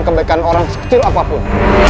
kebaikan orang sekecil apapun